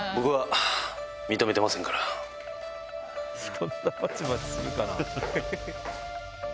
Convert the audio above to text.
そんなバチバチするかなぁ。